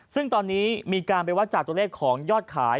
ซึ่งตอนนี้มีการไปวัดจากตัวเลขของยอดขาย